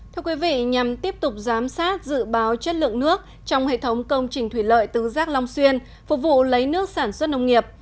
thưa quý vị nhằm tiếp tục giám sát dự báo chất lượng nước trong hệ thống công trình thủy lợi tứ giác long xuyên phục vụ lấy nước sản xuất nông nghiệp